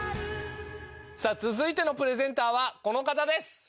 さあ続いてのプレゼンターはこの方です。